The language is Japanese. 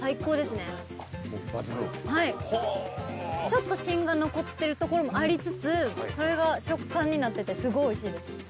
ちょっと芯が残ってるところもありつつそれが食感になっててすごい美味しいです。